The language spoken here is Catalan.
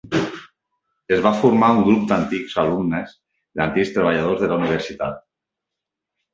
Es va formar un grup d'antics alumnes d'antics treballadors de la universitat.